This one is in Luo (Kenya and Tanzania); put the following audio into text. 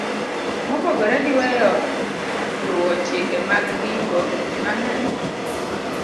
Mopogore gi weyo luwo chike mag ndiko, ji mang'eny